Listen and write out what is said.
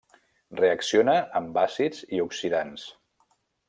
Reacciona amb àcids i oxidants.